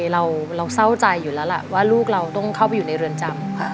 เราเศร้าใจอยู่แล้วล่ะว่าลูกเราต้องเข้าไปอยู่ในเรือนจำค่ะ